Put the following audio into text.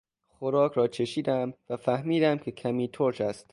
خوراک را چشیدم و فهمیدم که کمی ترش است.